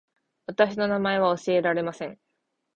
私の名前は教えられません